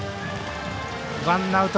ワンアウト。